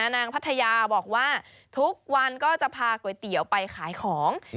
พัทยาบอกว่าทุกวันก็จะพาก๋วยเตี๋ยวไปขายของ